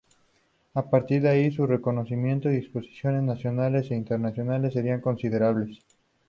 A partir de ahí su reconocimiento y exposiciones nacionales e internacionales serían considerables.